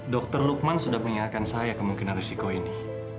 dr lukman sudah mengingatkan saya kemungkinan risiko ini